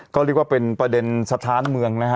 ก็เรียกว่าเป็นประเด็นสถานเมืองนะฮะ